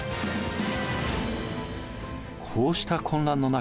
こうした混乱の中